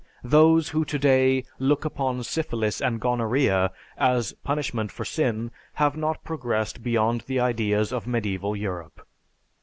Those who today look upon Syphilis and Gonorrhea as punishment for sin have not progressed beyond the ideas of medieval Europe.